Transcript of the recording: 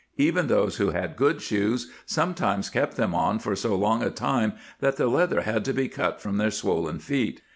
* Even those who had good shoes, sometimes kept them on for so long a time that the leather had to be cut from their swollen feet.